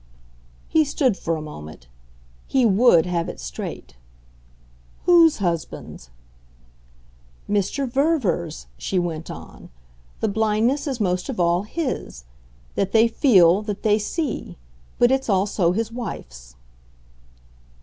He stood for a moment; he WOULD have it straight. "Whose husband's?" "Mr. Verver's," she went on. "The blindness is most of all his. That they feel that they see. But it's also his wife's."